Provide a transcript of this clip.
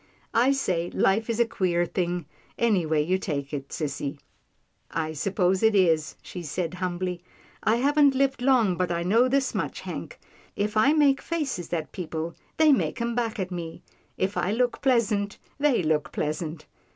I say life is a queer thing, anyway you take it, sissy." " I s'pose it is," she said humbly, " I haven't lived long, but I know this much, Hank. If I make faces at people, they make 'em back at me; if I look pleasant, they look pleasant."